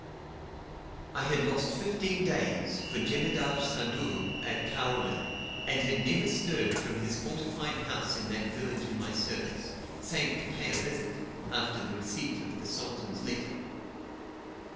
I had lost fifteen days, for Jemadar Sadur, at Kaole, had never stirred from his fortified house in that village in my service, save to pay a visit, after the receipt of the Sultan's letter.